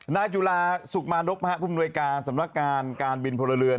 นาจุฬาสุกมานมพสำนักการบินพฤเรือน